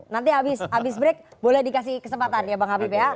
nanti habis break boleh dikasih kesempatan ya bang habib ya